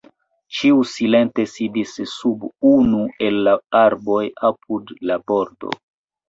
Ĉiu silente sidis sub unu el la arboj apud la bordo.